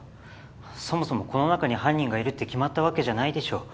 そもそもこの中に犯人がいるって決まったわけじゃないでしょ？